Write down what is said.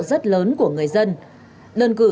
rất lớn của người dân lân cử